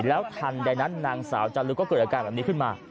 แล้วทันใดนั้นนางสาวจารุก็เกิดอาการแบบนี้ขึ้นมา